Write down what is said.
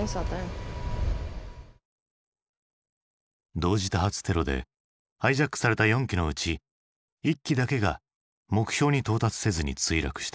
同時多発テロでハイジャックされた４機のうち１機だけが目標に到達せずに墜落した。